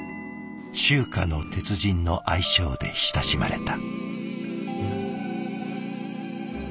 「中華の鉄人」の愛称で親しまれた。